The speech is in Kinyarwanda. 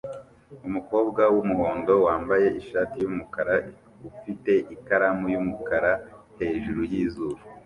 umukobwa wumuhondo wambaye ishati yumukara ufite ikaramu yumukara hejuru yizuru